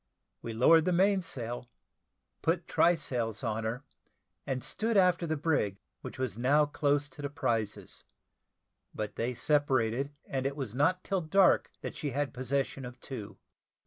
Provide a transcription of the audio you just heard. We lowered the mainsail, put try sails on her, and stood after the brig, which was now close to the prizes: but they separated, and it was not till dark that she had possession of two.